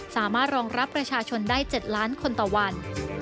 สามารถรองรับประชาชนได้๗ล้านคนต่อวัน